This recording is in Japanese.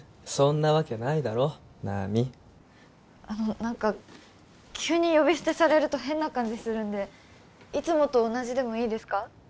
あの何か急に呼び捨てされると変な感じするんでいつもと同じでもいいですか？